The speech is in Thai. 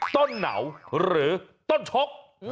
เหนาหรือต้นชก